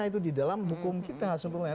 itu di dalam hukum kita sebenarnya